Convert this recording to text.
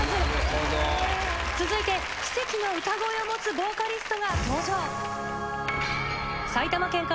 続いて奇跡の神声を持つボーカリストが登場。